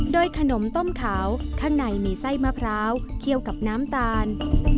โดยขนมต้มขาวข้างในมีไส้มะพร้าวเคี่ยวกับน้ำตาล